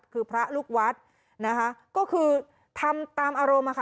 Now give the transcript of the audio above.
คือพระลูกวัดนะคะก็คือทำตามอารมณ์อะค่ะ